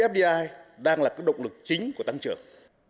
fdi đang là động lực chính của tăng trưởng